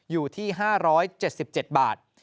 อยู่ที่๕๗๗บาท